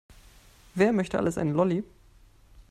Wer möchte alles einen Lolli?